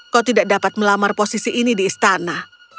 kau tidak dapat melamar posisi ini di istana